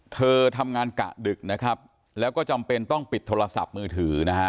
เธอทำงานกะดึกนะครับแล้วก็จำเป็นต้องปิดโทรศัพท์มือถือนะฮะ